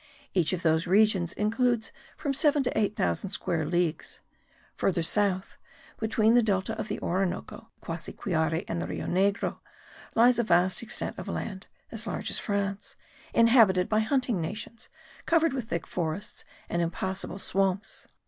Each of those regions includes from seven to eight thousand square leagues; further south, between the delta of the Orinoco, the Cassiquiare and the Rio Negro, lies a vast extent of land as large as France, inhabited by hunting nations, covered with thick forests and impassable swamps.